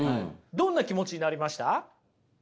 どんな気持ちになりました？